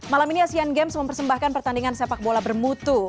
malam ini asean games mempersembahkan pertandingan sepak bola bermutu